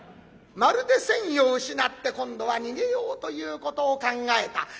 まるで戦意を失って今度は逃げようということを考えた。